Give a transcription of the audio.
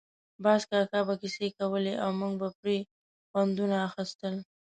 باز کاکا به کیسې کولې او موږ به پرې خوندونه اخیستل.